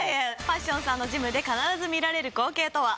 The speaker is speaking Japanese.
パッションさんのジムで必ず見られる光景とは？